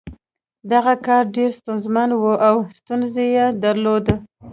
دغه کار ډېر ستونزمن و او ستونزې یې درلودې